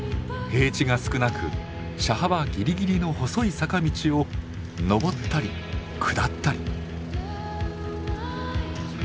平地が少なく車幅ぎりぎりの細い坂道をのぼったり下ったり。